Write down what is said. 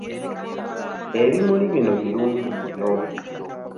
Ebimuli bino birungi nnyo.